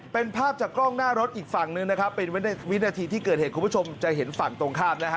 เป็นภาพจากกล้องหน้ารถอีกฝั่งนึงนะครับเป็นวินาทีที่เกิดเหตุคุณผู้ชมจะเห็นฝั่งตรงข้ามนะฮะ